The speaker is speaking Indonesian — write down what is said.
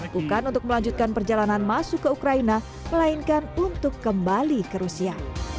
bukan untuk melanjutkan perjalanan masuk ke ukraina melainkan untuk kembali ke rusia